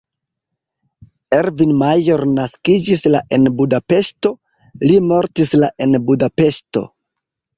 Ervin Major naskiĝis la en Budapeŝto, li mortis la en Budapeŝto.